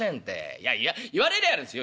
いやいや言われりゃあやるんすよ。